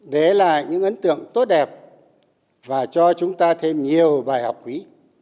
để lại những ấn tượng tốt đẹp và cho chúng ta thêm nhiều bài học quý